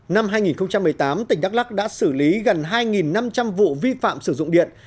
năm hai nghìn một mươi tám tỉnh đắk lắc đã xử lý gần hai năm trăm linh vụ vi phạm sử dụng điện